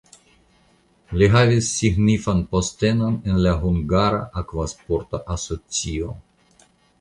Li havis signifan postenon en la hungara akvasporta asocio.